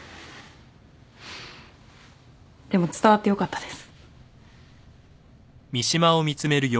でも伝わってよかったです。